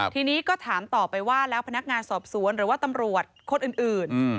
ทีนี้ก็ถามต่อไปว่าแล้วพนักงานสอบสวนหรือว่าตำรวจคนอื่น